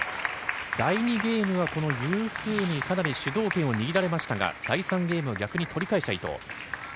第２ゲームはユー・フーが、かなり主導権を握られましたが、第３ゲームは逆に取り返した伊藤。